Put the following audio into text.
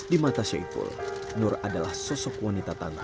di mata syaiful nur adalah sosok wanita tangga